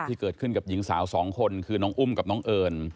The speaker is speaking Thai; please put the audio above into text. ที่เกิดขึ้นกับหญิงสาวสองคนคือน้องอุ้มกับน้องเอิญ